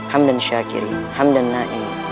hamdan syakirin hamdan naimin